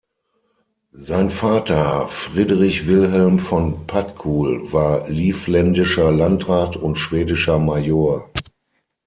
Sein Vater Friedrich Wilhelm von Patkul war livländischer Landrat und schwedischer Major.